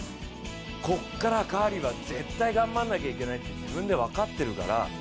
ここからカーリーは絶対頑張らないといけないって自分分かってるから。